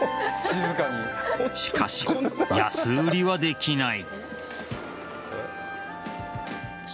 しかし、安売りはできない。